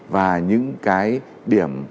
và những cái điểm